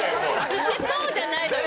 「吸ってそう」じゃないのよ。